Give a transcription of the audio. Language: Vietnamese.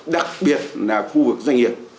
đặc biệt là khu vực doanh nghiệp